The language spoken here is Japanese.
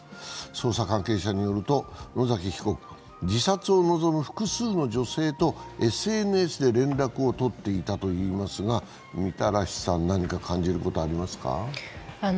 捜査関係者によると野崎被告は自殺を望む複数の女性とＳＮＳで連絡を取っていたといいますが、みたらしさん何か感じることはありますか？